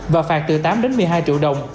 và phạt từ tám đến một mươi hai triệu đồng